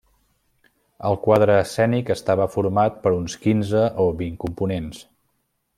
El quadre escènic estava format per uns quinze o vint components.